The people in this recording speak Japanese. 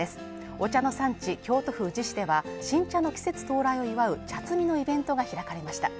お茶の産地・京都府宇治市では新茶の季節到来を祝う茶摘みのイベントが開かれました。